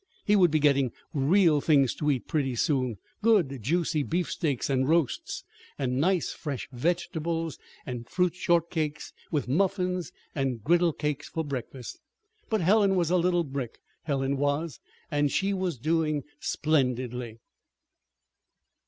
He would be getting real things to eat, pretty soon good, juicy beefsteaks and roasts, and nice fresh vegetables and fruit shortcakes, with muffins and griddle cakes for breakfast. But Helen was a little brick Helen was. And she was doing splendidly!